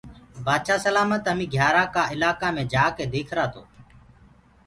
بآدشآه سلآمت هميٚنٚ گھيآرآنٚ ڪآ الآڪآ مي جآڪي ديکرآ تو